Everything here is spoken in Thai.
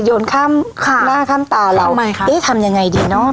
โยนข้ามข้ามหน้าข้ามตาเราทำไมคะเอ๊ะทำยังไงดีเนอะ